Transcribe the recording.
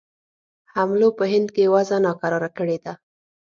حملو په هند کې وضع ناکراره کړې ده.